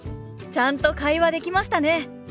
ちゃんと会話できましたね！